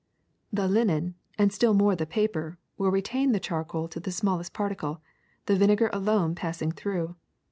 The linen, SUGAR 185 and still more the paper, will retain the charcoal to the smallest particle, the vinegar alone passing through.